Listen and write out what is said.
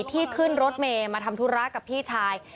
ที่ขึ้นรถเมย์มาทำธุระกับพี่ชาย